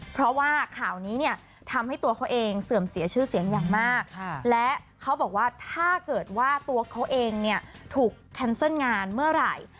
เพราะว่าข่าวนี้เนี่ยทำให้ตัวเขาเองเสื่อมเสียชื่อเสียงอย่างมากและเขาบอกว่าถ้าเกิดว่าตัวเขาเองเนี่ยถูกแคนเซิลงานเมื่อไหร่